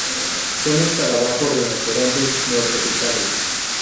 Son escarabajos rinocerontes neotropicales.